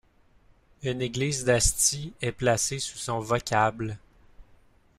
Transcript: Une église d'Asti est placée sous son vocable.